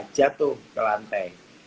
jatuh ke lantai